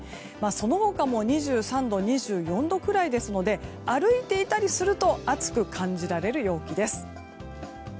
その他も２３度、２４度くらいですので歩いていたりすると暑く感じられる陽気です。